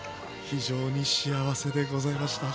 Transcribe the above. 非常に幸せでございました。